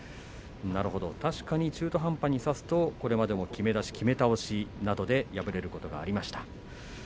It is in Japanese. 確かに中途半端に差すとこれまでもきめ出し、きめ倒しなどで敗れることがありました。